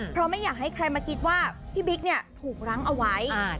เพราะไม่อยากให้ใครมาคิดว่าพี่บิ๊กเนี่ยถูกรั้งเอาไว้